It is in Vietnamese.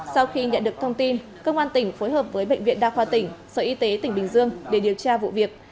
sau khi nhận được thông tin công an tỉnh phối hợp với bệnh viện đa khoa tỉnh sở y tế tỉnh bình dương để điều tra vụ việc